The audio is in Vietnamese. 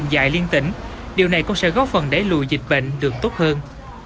điều này cũng sẽ góp phần để lùi dịch bệnh được tốt hơn